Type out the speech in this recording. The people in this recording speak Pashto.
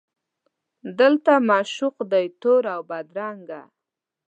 دلته معشوق دی تور اوبدرنګه